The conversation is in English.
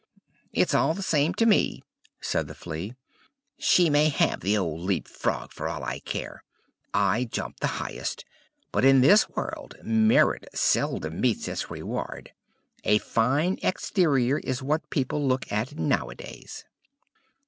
"It's all the same to me," said the Flea. "She may have the old Leap frog, for all I care. I jumped the highest; but in this world merit seldom meets its reward. A fine exterior is what people look at now a days."